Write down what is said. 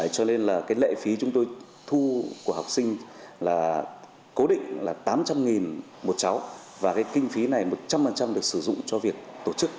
cho nên lệ phí chúng tôi thu của học sinh cố định là tám trăm linh đồng một cháu và kinh phí này một trăm linh được sử dụng cho việc tổ chức